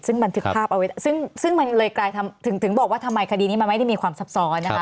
ซึ่งบันทึกภาพเอาไว้ซึ่งมันเลยกลายถึงบอกว่าทำไมคดีนี้มันไม่ได้มีความซับซ้อนนะคะ